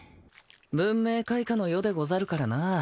文明開化の世でござるからなぁ。